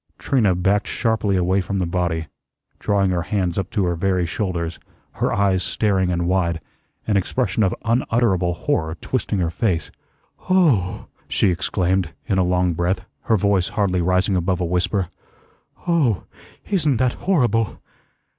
Trina backed sharply away from the body, drawing her hands up to her very shoulders, her eyes staring and wide, an expression of unutterable horror twisting her face. "Oh h h!" she exclaimed in a long breath, her voice hardly rising above a whisper. "Oh h, isn't that horrible!"